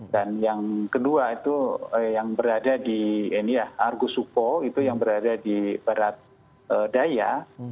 dan yang kedua itu yang berada di ini ya argusupo itu yang berada di barat daya